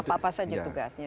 apa saja tugasnya